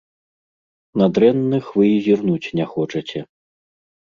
На дрэнных вы і зірнуць не хочаце.